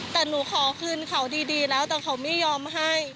แต่หนูขอคืนเขาดีแล้วแต่เขาไม่ยอมให้